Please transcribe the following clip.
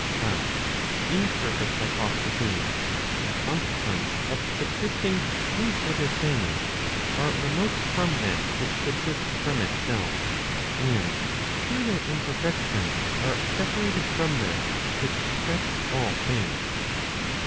But imperfect hypostases, in consequence of subsisting in other things, are remote from that which subsists from itself, and through their imperfection are separated from that which perfects all things.